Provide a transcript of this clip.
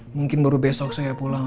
mungkin baru besok saya pulang